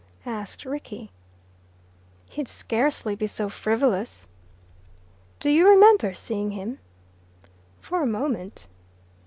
asked Rickie. "He'd scarcely be so frivolous." "Do you remember seeing him?" "For a moment."